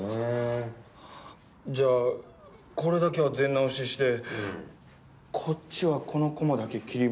じゃあこれだけは全直ししてこっちはこのコマだけ切り貼りをして。